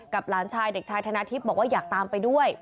หลานชายเด็กชายธนาทิพย์บอกว่าอยากตามไปด้วย